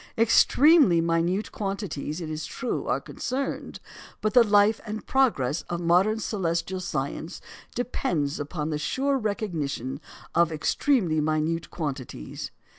Extremely minute quantities, it is true, are concerned; but the life and progress of modern celestial science depends upon the sure recognition of extremely minute quantities.